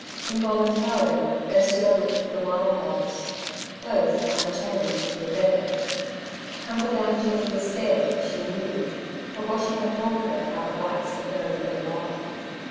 Involuntarily Ursula looked for the myall logs; both, unchanged, were there. Tumbledown Jimmy was dead, she knew, for Boshy had told her how the blacks had buried him alive.